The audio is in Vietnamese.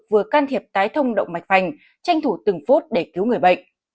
vừa can thiệp tái thông động mạch hoành tranh thủ từng phút để cứu người bệnh